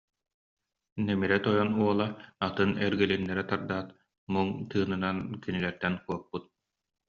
Нэмирэ тойон уола атын эргилиннэрэ тардаат, муҥ тыынынан кинилэртэн куоппут